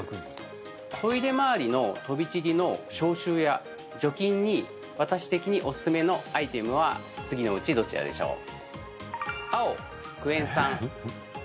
トイレ周りの飛び散りの消臭や除菌に私的におすすめのアイテムは次のうちどちらでしょう？